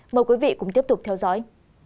mời quý vị cũng tiếp tục theo dõi